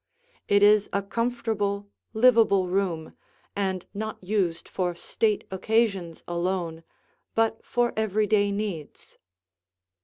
It is a comfortable, livable room and not used for state occasions alone, but for everyday needs.